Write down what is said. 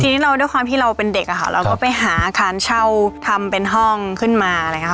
ทีนี้เราด้วยความที่เราเป็นเด็กอะค่ะเราก็ไปหาอาคารเช่าทำเป็นห้องขึ้นมาอะไรอย่างนี้ค่ะ